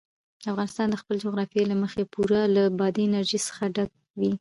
افغانستان د خپلې جغرافیې له مخې پوره له بادي انرژي څخه ډک دی.